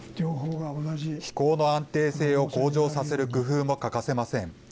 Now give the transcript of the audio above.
飛行の安定性を向上させる工夫も欠かせません。